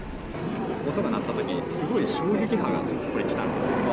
音が鳴ったときに、すごい衝撃波が来たんですよ。